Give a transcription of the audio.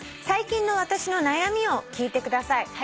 「最近の私の悩みを聞いてください」